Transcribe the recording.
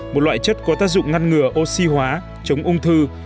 một loại chất có tác dụng ngăn ngừa oxy hóa chống ung thư